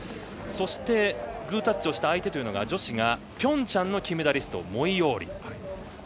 そしてグータッチをした相手が女子がピョンチャン金メダリストモイオーリ。